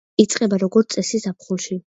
იწყება როგორც წესი, ზაფხულში.